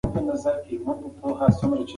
د لیکوالو یادونه زموږ د ټولنې ضرورت دی.